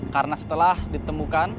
karena setelah ditemukan